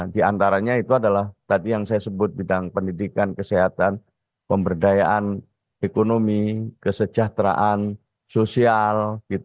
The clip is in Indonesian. di antaranya itu adalah tadi yang saya sebut bidang pendidikan kesehatan pemberdayaan ekonomi kesejahteraan sosial